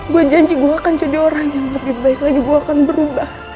gue janji gue akan jadi orang yang lebih baik lagi gue akan berubah